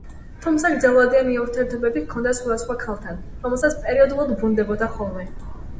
თუმცა გრძელვადიანი ურთიერთობები ჰქონდა სხვადასხვა ქალთან, რომლებსაც პერიოდულად უბრუნდებოდა ხოლმე.